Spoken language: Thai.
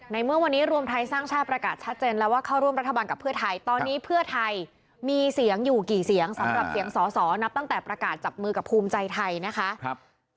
เมื่อวันนี้รวมไทยสร้างชาติประกาศชัดเจนแล้วว่าเข้าร่วมรัฐบาลกับเพื่อไทยตอนนี้เพื่อไทยมีเสียงอยู่กี่เสียงสำหรับเสียงสอสอนับตั้งแต่ประกาศจับมือกับภูมิใจไทยนะคะ